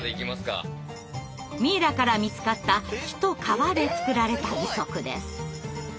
ミイラから見つかった木と皮で作られた義足です。